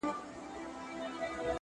که مي نصیب وطن ته وسو,